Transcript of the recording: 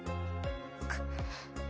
くっ！